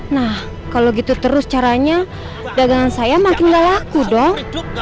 nah kalau gitu terus caranya dagangan saya makin gak laku dong